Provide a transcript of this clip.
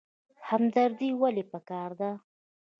همدردي ولې پکار ده؟